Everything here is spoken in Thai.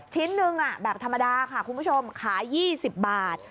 ชิ้นหนึ่งแบบธรรมดาค่ะคุณผู้ชมขาย๒๐บาท